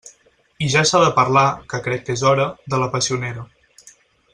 I ja s'ha de parlar —que crec que és hora— de la passionera.